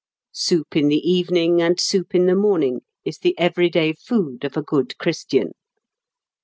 ("Soup in the evening, and soup in the morning, Is the everyday food of a good Christian.")